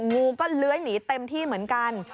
งูก็เลื้อยหนีเต็มที่เหมือนกัน